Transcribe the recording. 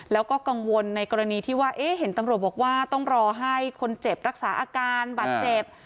แล้วก็กังวลในกรณีที่ว่าเห็นตำรวจบอกว่าต้องรอให้คนเจ็บรักษาอาการบาดเจ็บ